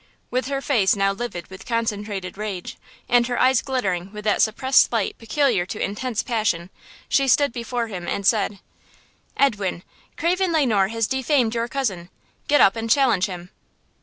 With her face now livid with concentrated rage, and her eyes glittering with that suppressed light peculiar to intense passion, she stood before him and said: "Edwin! Craven Le Noir has defamed your cousin! Get up and challenge him!"